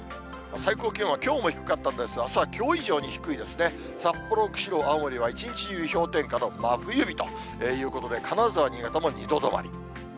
最高気温はきょうも低かったんですが、あすはきょう以上に低いですね、札幌、釧路、青森は一日中氷点下の真冬日ということで、金沢、新潟も２度止まり。